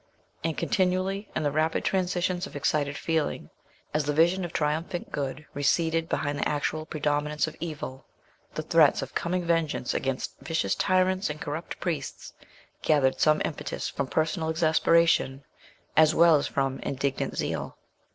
And continually, in the rapid transitions of excited feeling, as the vision of triumphant good receded behind the actual predominance of evil, the threats of coming vengeance against vicious tyrants and corrupt priests gathered some impetus from personal exasperation, as well as from indignant zeal.